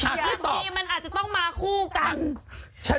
บางทีมันอาจจะต้องมาคู่กัน